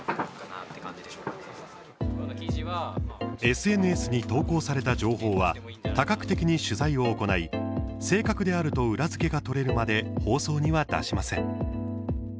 ＳＮＳに投稿された情報は多角的に取材を行い正確であると裏付けが取れるまで放送には出しません。